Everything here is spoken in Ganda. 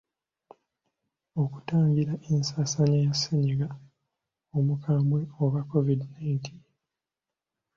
Okutangira ensaasaana ya ssennyiga omukambwe oba Kovidi nineteen.